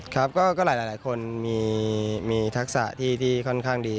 ก็แหละคนมีทักษะที่ค่อนข้างดี